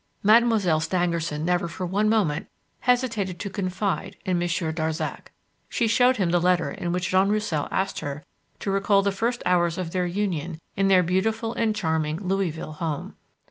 Mademoiselle Stangerson never for one moment hesitated to confide in Monsieur Darzac. She showed him the letter in which Jean Roussel asked her to recall the first hours of their union in their beautiful and charming Louisville home.